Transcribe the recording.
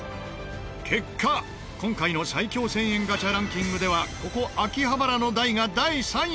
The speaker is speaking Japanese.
結果今回の最強１０００円ガチャランキングではここ秋葉原の台が第３位に！